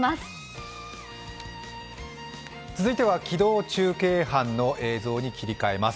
続いては機動中継班の映像に切り替えます。